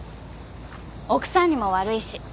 奥さんにも悪いし。